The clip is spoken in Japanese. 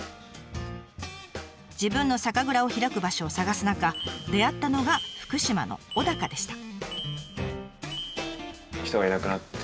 自分の酒蔵を開く場所を探す中出会ったのが福島の小高でした。